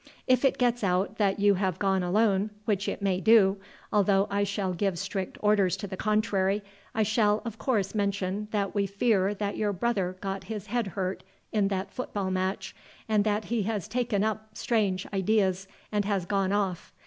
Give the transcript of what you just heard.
If it gets out that you have gone alone, which it may do, although I shall give strict orders to the contrary, I shall of course mention that we fear that your brother got his head hurt in that football match, and that he has taken up some strange ideas and has gone off.